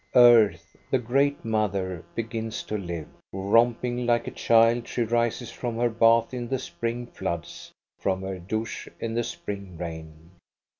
Earth, the great mother, begins to live. Romping Uke a child she rises from her bath in the spring floods, from her douche in the spring rain.